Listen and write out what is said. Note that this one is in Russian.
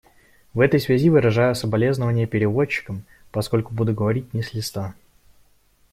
И в этой связи выражаю соболезнование переводчикам, поскольку буду говорить не с листа.